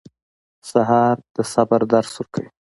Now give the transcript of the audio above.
سهار د صبر درس ورکوي.